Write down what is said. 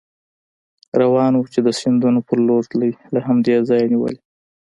روان و، چې د سیند په لور تلی، له همدې ځایه نېولې.